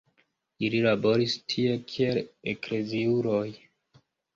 Ili laboris tie kiel ekleziuloj.